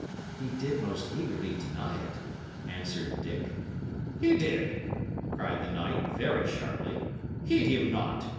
"He did most eagerly deny it," answered Dick. "He did?" cried the knight, very sharply. "Heed him not.